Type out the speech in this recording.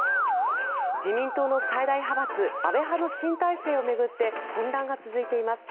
自民党の最大派閥安倍派の新体制を巡って混乱が続いてます。